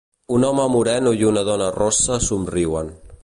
Un home moreno i una dona rossa somriuen.